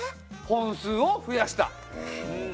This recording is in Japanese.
本数を増やした！